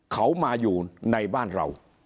เขามาอยู่ในบ้านเรา